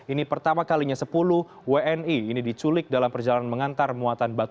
ini pertama kalinya sepuluh wni ini diculik dalam perjalanan mengantar muatan batu